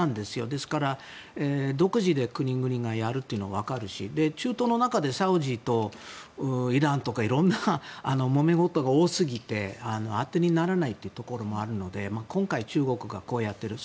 ですから、独自で国々がやるというのはわかるし中東の中でサウジとかイランとか色んなもめごとが多すぎて当てにならないところもあるので今回、中国がこうやっている。